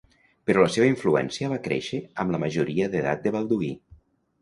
Però la seva influència va créixer amb la majoria d'edat de Balduí.